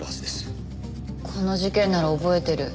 この事件なら覚えてる。